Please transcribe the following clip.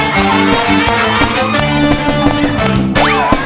เต้นสักพักนึง